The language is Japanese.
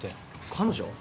彼女？